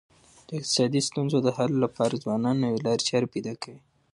د اقتصادي ستونزو د حل لپاره ځوانان نوي لاري چاري پیدا کوي.